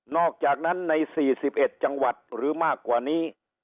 อกจากนั้นใน๔๑จังหวัดหรือมากกว่านี้